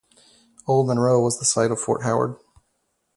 Old Monroe was the site of Fort Howard.